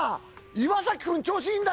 岩君調子いいんだよ。